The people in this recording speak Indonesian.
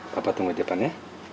papa tunggu di depannya